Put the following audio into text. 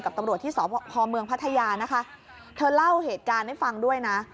ตำรวจที่สพเมืองพัทยานะคะเธอเล่าเหตุการณ์ให้ฟังด้วยนะ